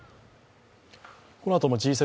このあともＧ７